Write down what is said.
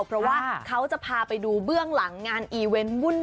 เพราะว่าเขาจะพาไปดูเบื้องหลังงานอีเวนต์วุ่น